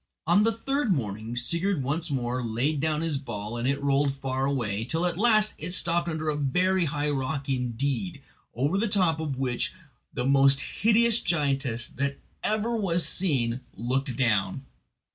On the third morning Sigurd once more laid down his ball, and it rolled far away, till at last it stopped under a very high rock indeed, over the top of which the most hideous giantess that ever was seen looked down.